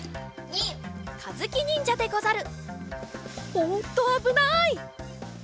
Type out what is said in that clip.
おっとあぶない。